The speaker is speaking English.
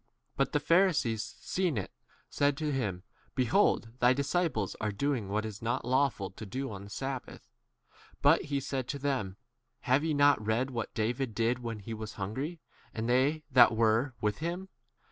But the Pharisees, seeing [it], said to him, Behold, thy disciples are doing what is not 3 lawful to do on sabbath. But he said to them, Have ye not read what David did when he was hungry, f and they that were with 4 him